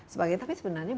sebagainya tapi sebenarnya